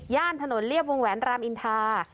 ถนนเรียบวงแหวนรามอินทา